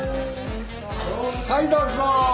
はいどうぞ。